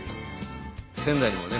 仙台にもね